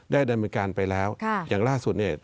ดำเนินการไปแล้วอย่างล่าสุดเนี่ย